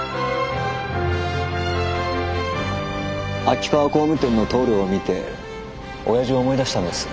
秋川工務店の棟梁を見ておやじを思い出したんです。